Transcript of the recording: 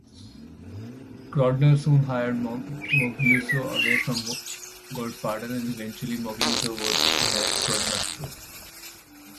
Grodner soon hired Mogulesko away from Goldfaden; and eventually Mogulesko would inherit Grodner's troupe.